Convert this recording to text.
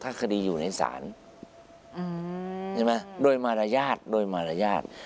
ถ้าคดีอยู่ในศาลใช่ไหมโดยมารยาทโดยมารยาท